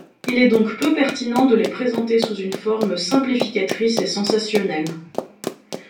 Il est donc peu pertinent de les présenter sous une forme simplificatrice et sensationnelle.